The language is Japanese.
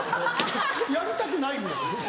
やりたくないもの。